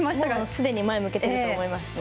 すでに前を向けていると思いますね。